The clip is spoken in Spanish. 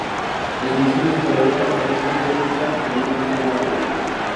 En las ediciones para Europa aparece un bonus track llamado "Never Again".